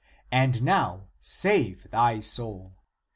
And now save thy soul.